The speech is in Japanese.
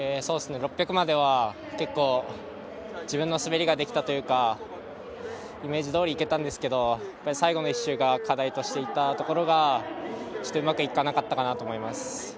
６００までは、結構自分の滑りができたというかイメージどおりいってたんですけど最後の１周が課題としていたところがうまくいかなかったかなと思います。